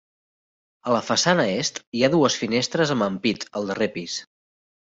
A la façana est hi ha dues finestres amb ampit al darrer pis.